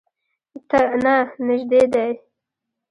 نه، نژدې دی